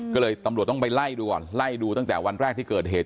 ก็เลยตำรวจต้องไปไล่ดูก่อนไล่ดูตั้งแต่วันแรกที่เกิดเหตุ